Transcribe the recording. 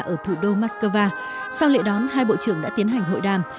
ở thủ đô moscow sau lễ đón hai bộ trưởng đã tiến hành hội đàm